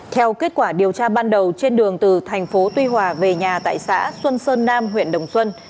theo kết quả điều tra ban đầu trên đường từ thành phố tuy hòa về nhà tại xã xuân sơn nam huyện đồng xuân